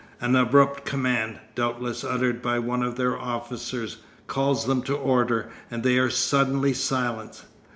An abrupt command, doubtless uttered by one of their officers, calls them to order, and they are suddenly silent.